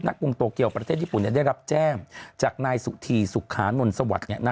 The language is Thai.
กรุงโตเกียวประเทศญี่ปุ่นได้รับแจ้งจากนายสุธีสุขานนสวัสดิ์